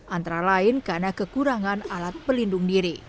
antara lain karena kekurangan alat pelindung diri